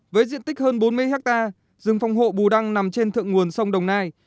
với diện tích hơn bốn mươi hectare rừng phòng hộ bù đăng nằm trên thượng nguồn sông đồng nai